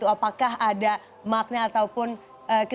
apakah ada makna ataupun kesalahan